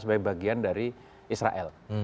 sebagai bagian dari israel